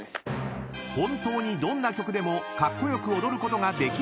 ［本当にどんな曲でもカッコ良く踊ることができるのか？］